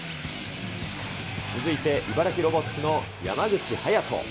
続いて茨城ロボッツの山口はやと。